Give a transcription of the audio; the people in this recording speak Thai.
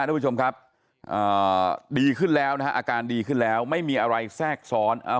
ทุกผู้ชมครับดีขึ้นแล้วนะฮะอาการดีขึ้นแล้วไม่มีอะไรแทรกซ้อน